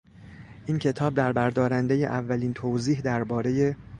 این کتاب دربردارنده اولین توضیح درباره